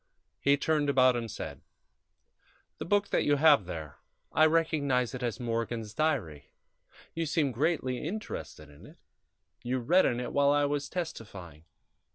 He turned about and said: "The book that you have there I recognize it as Morgan's diary. You seemed greatly interested in it; you read in it while I was testifying.